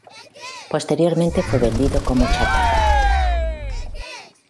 Posteriormente fue vendido como chatarra.